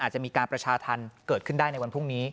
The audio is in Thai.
อาจจะมีการประชาธรรมเกิดขึ้นได้ในวันพรุ่งนี้